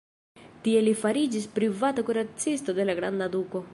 Tie li fariĝis privata kuracisto de la granda duko.